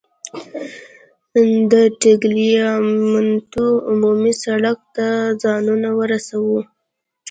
د ټګلیامنتو عمومي سړک ته ځانونه ورسوو.